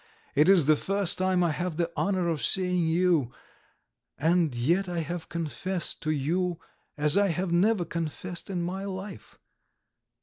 It is the first time I have the honour of seeing you, and yet I have confessed to you as I have never confessed in my life.